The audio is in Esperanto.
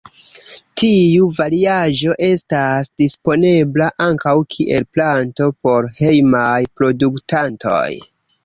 Tiu variaĵo estas disponebla ankaŭ kiel planto por hejmaj produktantoj.